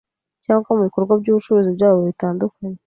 cyangwa mu bikorwa by’ubucuruzi byabo bitandukanye.